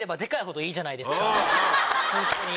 ホントに。